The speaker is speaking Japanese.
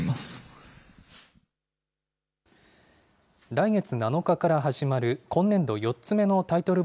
来月７日から始まる今年度４つ目のタイトル